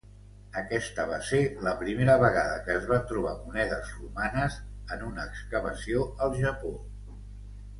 Aquesta va ser la primera vegada que es van trobar monedes romanes en una excavació al Japó.